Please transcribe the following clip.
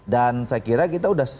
dan saya kira kita sudah